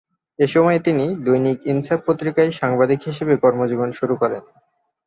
এ সময়ে তিনি 'দৈনিক ইনসাফ' পত্রিকায় সাংবাদিক হিসেবে কর্মজীবন শুরু করেন।